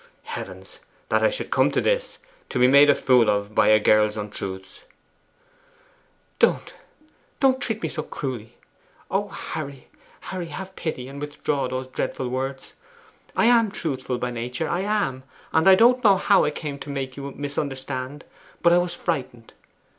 Heavens! that I should come to this, to be made a fool of by a girl's untruths ' 'Don't, don't treat me so cruelly! O Harry, Harry, have pity, and withdraw those dreadful words! I am truthful by nature I am and I don't know how I came to make you misunderstand! But I was frightened!